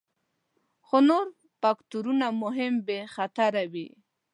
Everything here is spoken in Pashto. خو نور فکتورونه ممکن بې خطره وي